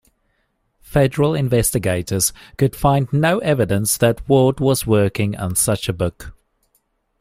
Federal investigators could find no evidence that Ward was working on such a book.